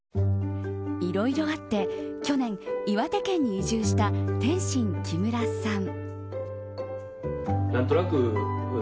いろいろあって去年、岩手県に移住した天津・木村さん。